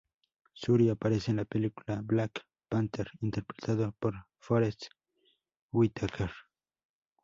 Zuri aparece en la película "Black Panther", interpretado por Forest Whitaker.